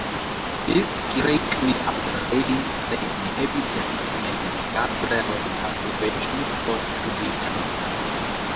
This greatly outraged the inhabitants and Gastrell was eventually forced to leave town.